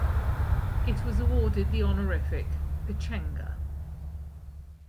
It was awarded the honorific "Pechenga".